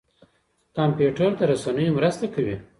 کمپيوټر د رسنيو مرسته کوي.